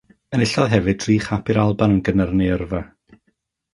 Enillodd hefyd dri chap i'r Alban yn gynnar yn ei yrfa.